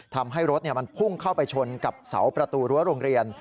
ทำให้รถมันพุ่งเข้าไปชนกับเสาประตูรั้วโรงเรียน